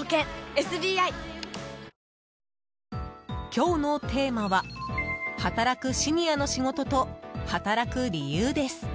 今日のテーマは働くシニアの仕事と働く理由です。